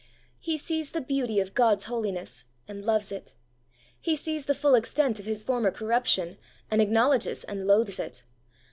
He sees the beauty of God's Holiness, and loves it. He sees the full extent of his former corruption, and acknowledges and loathes it.